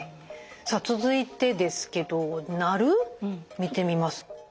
さあ続いてですけど「鳴る」見てみます。